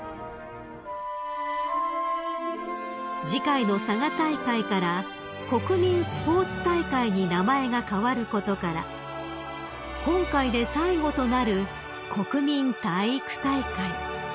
［次回の佐賀大会から国民スポーツ大会に名前が変わることから今回で最後となる国民体育大会］